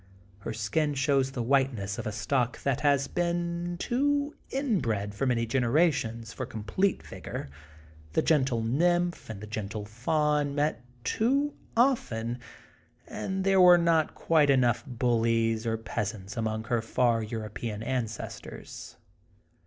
Her skin shows the whiteness of a stock that has been too inbred for many generations f pr com plete vigor, the gentle nymph and the gentle faun met too often, and there were not quite enough bullies or peasants among her far European ancestors.